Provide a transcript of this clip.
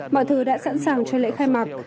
mọi thứ đã sẵn sàng cho lễ khai mạc